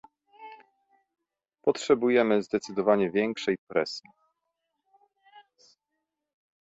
Potrzebujemy zdecydowanie większej presji